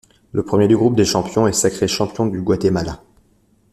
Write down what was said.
Le premier du groupe des champions est sacré champion du Guatemala.